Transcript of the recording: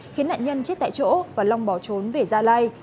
khiến nạn nhân chết tại chỗ và long bỏ trốn về gia lai